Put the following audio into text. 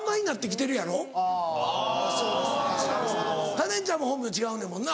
カレンちゃんも本名違うねんもんな。